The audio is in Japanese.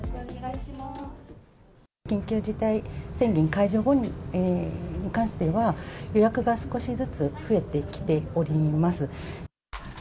緊急事態宣言解除後に関しては、予約が少しずつ増えてきております。